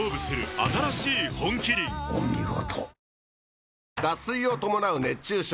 お見事。